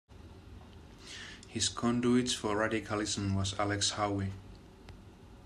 His conduits for radicalism was Alex Howie.